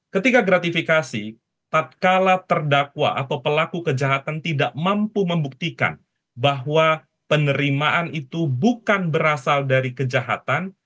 ketika gratifikasi tatkala terdakwa atau pelaku kejahatan tidak mampu membuktikan bahwa penerimaan itu bukan berasal dari kejahatan